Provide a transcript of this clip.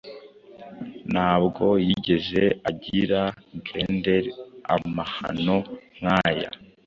Ntabwo yigeze agira Grendel amahano nkaya